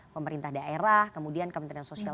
pemerintah daerah kemudian kementerian sosial